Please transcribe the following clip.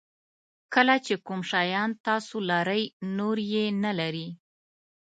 کله چې کوم شیان تاسو لرئ نور یې نه لري.